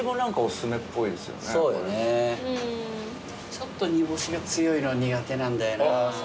ちょっと煮干しが強いの苦手なんだよな。